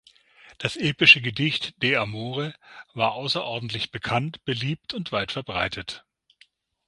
Das epische Gedicht "de amore" war außerordentlich bekannt, beliebt und weit verbreitet.